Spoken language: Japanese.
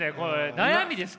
悩みですか？